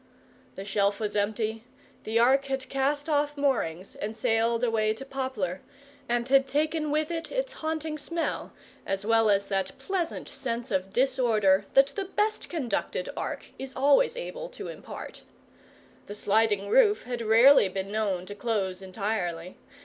The shelf was empty, the Ark had cast off moorings and sailed away to Poplar, and had taken with it its haunting smell, as well as that pleasant sense of disorder that the best conducted Ark is always able to impart. The sliding roof had rarely been known to close entirely.